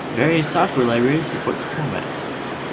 Various software libraries support the format.